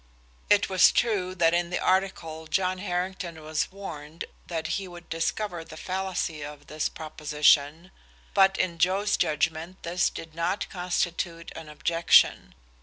It was true that in the article John Harrington was warned that he would discover the fallacy of this proposition, but in Joe's judgment this did not constitute an objection.